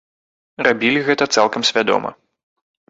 Рабілі гэта цалкам свядома.